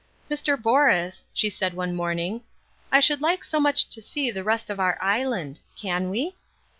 "Mr. Borus," she said one morning, "I should like so much to see the rest of our island. Can we?"